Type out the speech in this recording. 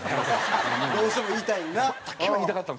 どうしても言いたいねんなうん。